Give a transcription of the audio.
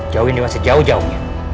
jauhin dewa sejauh jauhnya